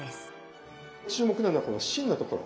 注目なのはこの芯のところ。